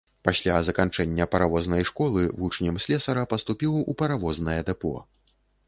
Пасля заканчэння паравознай школы, вучнем слесара паступіў у паравознае дэпо.